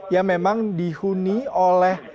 yang memang dihuni oleh